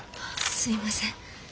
すいません。